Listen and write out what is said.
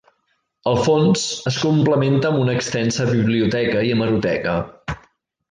El fons es complementa amb una extensa biblioteca i hemeroteca.